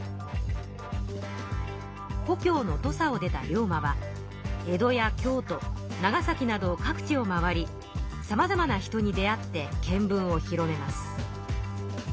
故郷の土佐を出た龍馬は江戸や京都長崎など各地を回りさまざまな人に出会って見聞を広めます。